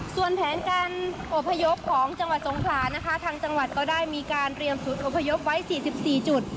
ส่วนแผนการอบพยพของจังหวัดสงขลานะคะทางจังหวัดก็ได้มีการเตรียมศูนย์อพยพไว้๔๔จุด